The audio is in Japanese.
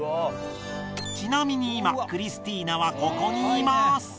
ちなみに今クリスティーナはここにいます。